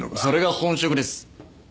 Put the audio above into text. それが本職です